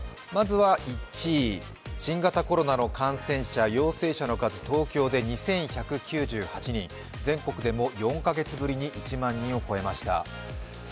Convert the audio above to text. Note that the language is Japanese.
まずは１位、新型コロナの感染者陽性者の数東京で２１９８人、全国でも４カ月ぶりに１万人を超えました。